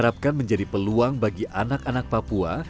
tim ini menjadi peluang bagi anak anak papua